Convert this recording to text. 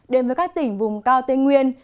đến với các tỉnh vùng cao tây nguyên